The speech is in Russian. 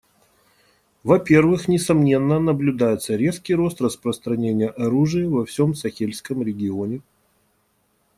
Во-первых, несомненно, наблюдается резкий рост распространения оружия во всем Сахельском регионе.